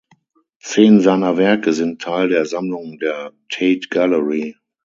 Zehn seiner Werke sind Teil der Sammlung der Tate Gallery.